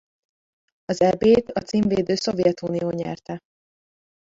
Az Eb-t a címvédő Szovjetunió nyerte.